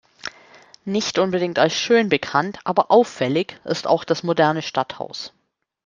Nicht unbedingt als schön bekannt, aber auffällig ist auch das moderne Stadthaus.